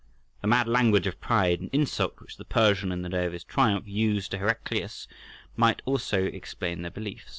The mad language of pride and insult which the Persian in the day of his triumph used to Heraclius might also explain their belief.